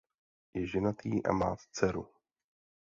Je ženatý a má dceru.